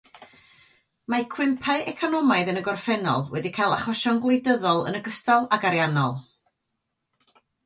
Mae cwympau economaidd yn y gorffennol wedi cael achosion gwleidyddol yn ogystal ag ariannol.